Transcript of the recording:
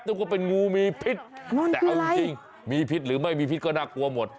นึกว่าเป็นงูมีพิษแต่เอาจริงมีพิษหรือไม่มีพิษก็น่ากลัวหมด